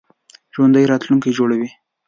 ژوندي راتلونکی جوړوي